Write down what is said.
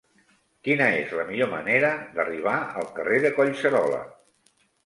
Quina és la millor manera d'arribar al carrer de Collserola?